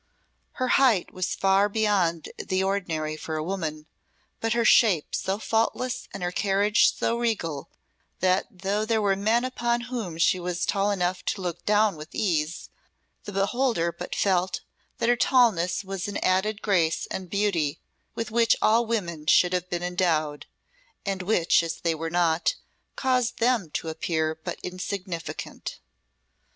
Her height was far beyond the ordinary for a woman; but her shape so faultless and her carriage so regal, that though there were men upon whom she was tall enough to look down with ease, the beholder but felt that her tallness was an added grace and beauty with which all women should have been endowed, and which, as they were not, caused them to appear but insignificant.